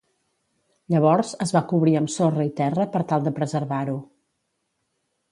Llavors es va cobrir amb sorra i terra per tal de preservar-ho.